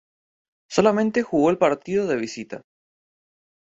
Solamente jugó el partido de visita.